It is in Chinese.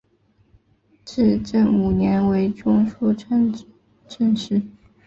至正五年为中书参知政事。